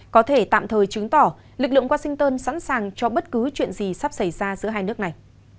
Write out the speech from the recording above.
có thể tạm thời chứng tỏ lực lượng washington sẵn sàng cho bất cứ chuyện gì sắp xảy ra giữa hai nước này